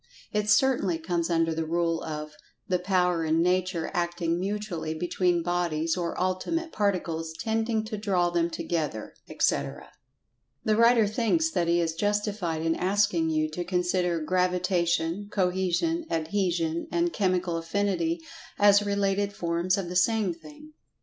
It certainly comes under the rule of "the power in nature acting[Pg 148] mutually between bodies, or ultimate particles, tending to draw them together," etc. The writer thinks that he is justified in asking you to consider Gravitation, Cohesion, Adhesion and Chemical Affinity as related forms of the same thing.